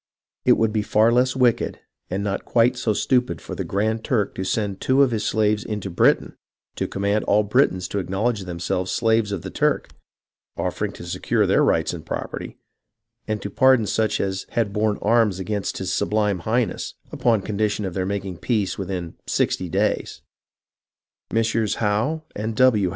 It would be far less wicked and not quite so stupid for the Grand Turk to send two of his slaves into Britain to command all Britons to acknowledge themselves slaves of the Turk, offering to secure their rights and property, and to pardon such as had borne arms against his Sublime Highness, upon condition of their making peace within 'sixty days.' " Messieurs Howe and W.